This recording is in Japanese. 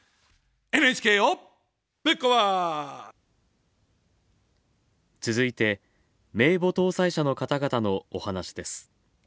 ＮＨＫをぶっ壊続いて、名簿登載者の方々の、お話です。